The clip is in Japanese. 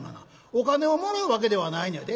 お金をもらうわけではないねやで。